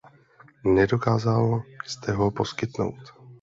Nedokázal jste ho poskytnout.